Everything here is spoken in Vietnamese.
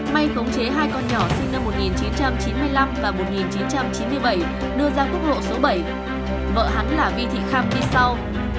may khống chế hai con nhỏ sinh năm một nghìn chín trăm chín mươi năm và một nghìn chín trăm chín mươi bảy đưa ra quốc lộ số bảy vợ hắn là vi thị kham đi sau